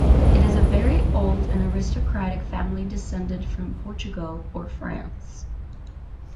It is a very old and aristocratic family descended from Portugal or France.